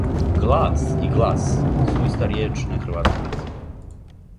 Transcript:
"Глас" и "глас" су иста ријеч на хрватском језику.